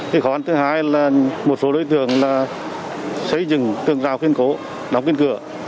khó khăn thứ hai là một số đối tượng xây dựng tường giao khiên cố đóng kiên cửa